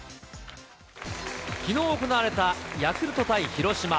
きのう行われたヤクルト対広島。